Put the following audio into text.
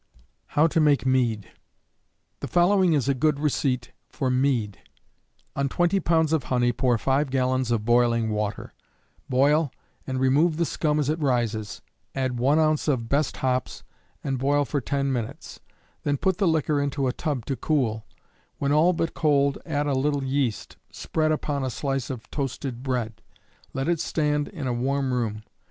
How to make Mead. The following is a good receipt for Mead: On twenty pounds of honey pour five gallons of boiling water; boil, and remove the scum as it rises; add one ounce of best hops, and boil for ten minutes; then put the liquor into a tub to cool; when all but cold add a little yeast, spread upon a slice of toasted bread; let it stand in a warm room.